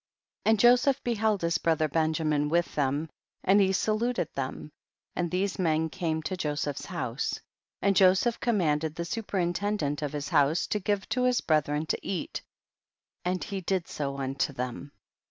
2. And Joseph beheld his brother Benjamin with them and he saluted them, and these men came to Jo seph's house. 3. And Joseph commanded the superintendant of his house to give to his brethren to eat, and he did so unto them.